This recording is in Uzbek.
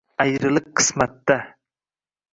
Ayriliq qismatda